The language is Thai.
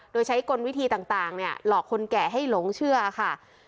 โดยใช้กลวิธีต่างเนี่ยหลอกคนแก่ให้หลงเชื่อค่ะ